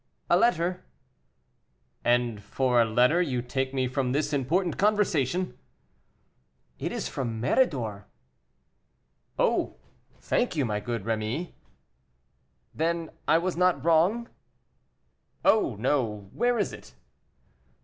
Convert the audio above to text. "A letter." "And for a letter you take me from this important conversation." "It is from Méridor." "Oh! thank you, my good Rémy." "Then I was not wrong?" "Oh, no; where is it?"